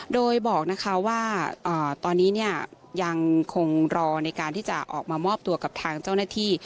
โดยบอกนะคะว่าตอนนี้เนี่ยยังคงรอในการที่จะออกมามอบตัวกับทางเจ้าหน้าที่